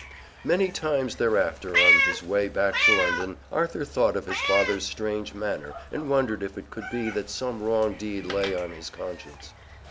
Many times thereafter, on his way back to London, Arthur thought of his father's strange manner and wondered if it could be that some wrong deed lay on his conscience.